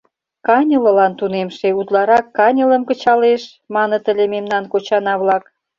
«Каньылылан тунемше — утларак каньылым кычалеш», — маныт ыле мемнан кочана-влак.